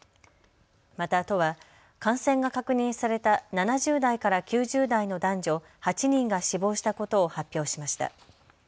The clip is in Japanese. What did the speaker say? また都は感染が確認された７０代から９０代の男女８人が死亡したことを発表しました。